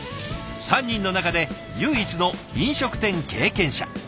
３人の中で唯一の飲食店経験者。